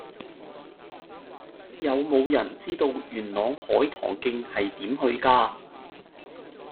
有無人知道元朗海棠徑係點去㗎